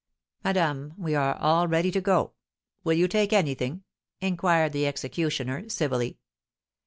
"Madame, we are all ready to go. Will you take anything?" inquired the executioner, civilly.